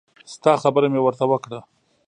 ستا خبره مې ورته وکړه.